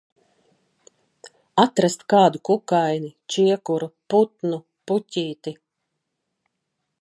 Atrast kādu kukaini, čiekuru, putnu, puķīti...